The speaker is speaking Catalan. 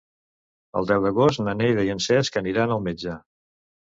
El deu d'agost na Neida i en Cesc aniran al metge.